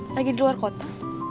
lagi di luar kota